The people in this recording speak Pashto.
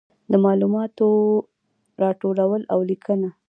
د معلوماتو راټولول او لیکنه.